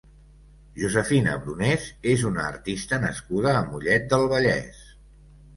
Josefina Brunés és una artista nascuda a Mollet del Vallès.